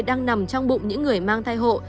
đang nằm trong bụng những người mang thai hộ